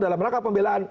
dalam rangka pembelaan